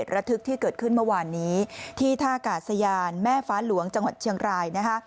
ระทึกที่เกิดขึ้นเมื่อวานนี้ที่ท่ากาศยานแม่ฟ้าหลวงจังหวัดเชียงรายนะคะ